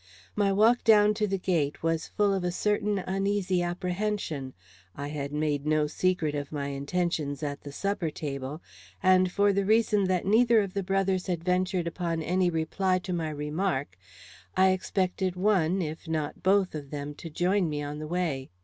My walk down to the gate was full of a certain uneasy apprehension. I had made no secret of my intentions at the supper table, and for the reason that neither of the brothers had ventured upon any reply to my remark, I expected one, if not both, of them to join me on the way.